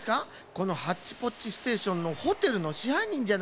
このハッチポッチステーションのホテルのしはいにんじゃない。